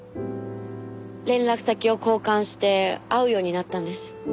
連絡先を交換して会うようになったんです。